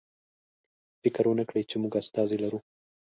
فکر ونکړئ چې موږ استازی لرو.